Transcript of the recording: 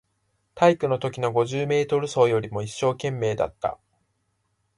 体育のときの五十メートル走よりも一生懸命だった